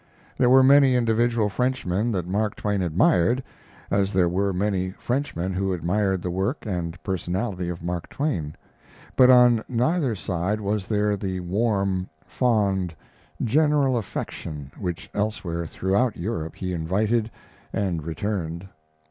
There were many individual Frenchmen that Mark Twain admired, as there were many Frenchmen who admired the work and personality of Mark Twain; but on neither side was there the warm, fond, general affection which elsewhere throughout Europe he invited and returned.